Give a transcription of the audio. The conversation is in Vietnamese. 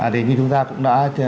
thì như chúng ta cũng đã